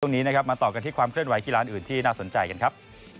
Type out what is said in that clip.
ตรงนี้นะครับมาต่อกันที่ความเคลื่อนไหกีฬาอื่นที่น่าสนใจกันครับ